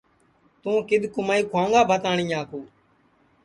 توں کِدؔ کُمائی کھوائوں گا بھتانیا کُو